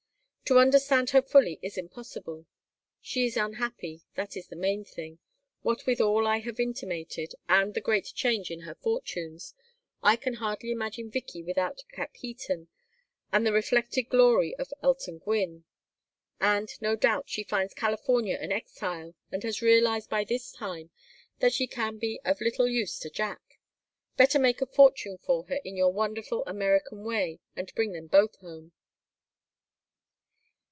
To understand her fully is impossible. She is unhappy, that is the main thing what with all I have intimated, and the great change in her fortunes I can hardly imagine Vicky without Capheaton and the reflected glory of 'Elton Gwynne'; and, no doubt, she finds California an exile and has realized by this time that she can be of little use to Jack. Better make a fortune for her in your wonderful American way and bring them both home."